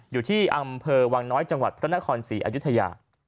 อยู่ที่อำเภอวังน้อยจังหวัดพระนครศรีอายุทยา